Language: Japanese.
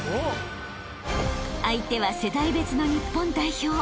［相手は世代別の日本代表］